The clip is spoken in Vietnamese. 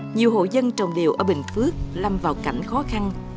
nhiều hộ dân trồng điều ở bình phước lâm vào cảnh khó khăn